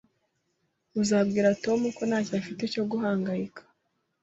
Uzabwira Tom ko ntacyo afite cyo guhangayika?